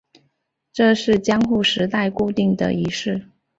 这是江户时代固定的仪式。